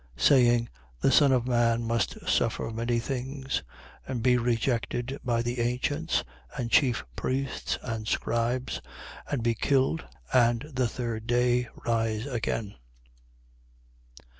9:22. Saying: The Son of man must suffer many things and be rejected by the ancients and chief priests and scribes and be killed and the third day rise again.